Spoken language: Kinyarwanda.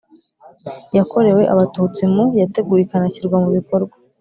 Yakorewe abatutsi mu yateguwe ikanashyirwa mu bikorwa